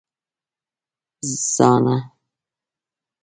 🦩زاڼه